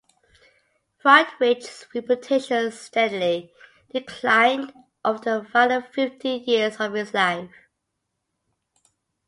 Friedrich's reputation steadily declined over the final fifteen years of his life.